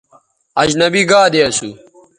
اجنبی گادے اسو